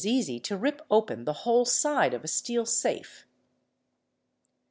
easy to rip open the whole side of a steel safe.